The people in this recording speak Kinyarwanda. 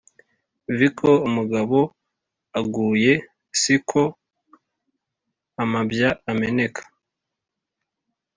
viko umugabo aguye si ko amabya ameneka